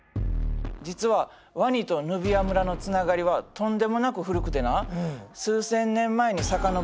実はワニとヌビア村のつながりはとんでもなく古くてな数千年前に遡るんや。